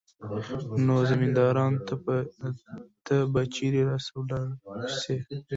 نو زمينداورو ته به چېرې راسره ولاړه سي.